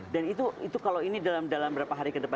dan itu kalau ini dalam beberapa hari ke depan